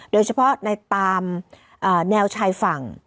โดยเฉพาะในตามแนวชายฝั่ง